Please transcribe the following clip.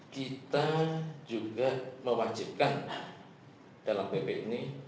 kita juga mewajibkan dalam ppb